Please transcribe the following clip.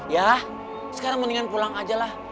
ya sekarang mendingan pulang aja lah